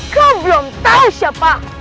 kau belum tahu siapa